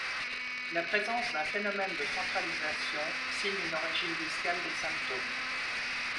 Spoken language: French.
La présence d'un phénomène de centralisation signe une origine discale des symptômes.